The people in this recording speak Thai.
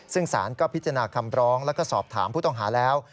ซึ่งสารก็พิจารณาคำร้องแล้วก็สอบถามผู้ต้องหาแล้ว